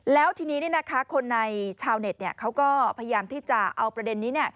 แล้วทีนี้คนในชาวเน็ตเขาก็พยายามที่จะเอาประเด็นนี้